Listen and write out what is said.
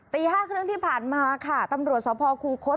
ตี๕เครื่องที่ผ่านมาค่ะตำรวจสภพครูโค้ด